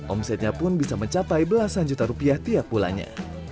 omsetnya pun bisa mencapai belasan juta rupiah tiap bulannya